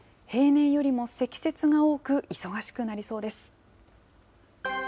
平年よりも積雪が多く、忙しくなりそうです。